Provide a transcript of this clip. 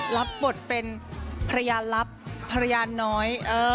รับบทเป็นภรรยาลับภรรยาน้อย